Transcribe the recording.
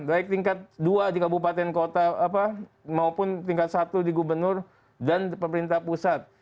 baik tingkat dua di kabupaten kota maupun tingkat satu di gubernur dan pemerintah pusat